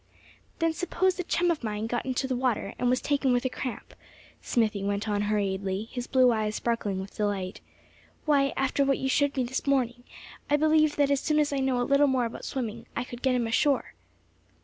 "Then suppose a chum of mine got in the water, and was taken with a cramp," Smithy went on hurriedly, his blue eyes sparking with delight; "why, after what you showed me this morning, I believe that as soon as I know a little more about swimming, I could get him ashore."